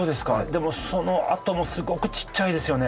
でもその跡もすごくちっちゃいですよね。